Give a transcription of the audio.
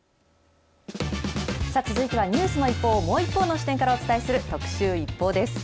続いてはニュースの一報をもう一方の視点からお伝えする特集ＩＰＰＯＵです。